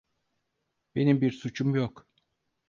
Benim bir suçum yok.